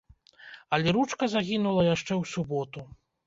Але ручка загінула яшчэ ў суботу.